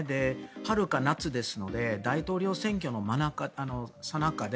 春か夏ですので大統領選挙のさなかで